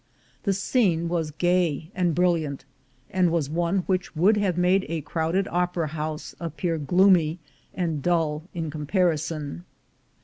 The scene was gay and brilliant, and was one which would have made a crowded opera house appear gloomy and dull in comparison.